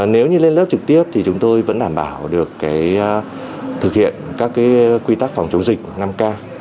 nếu như lên lớp trực tiếp thì chúng tôi vẫn đảm bảo được thực hiện các quy tắc phòng chống dịch năm k